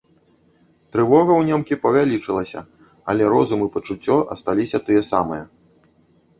Трывога ў немкі павялічылася, але розум і пачуццё асталіся тыя самыя.